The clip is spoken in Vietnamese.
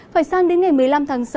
phải sang đến ngày một mươi năm tháng sáu